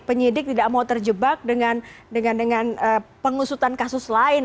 penyidik tidak mau terjebak dengan pengusutan kasus lain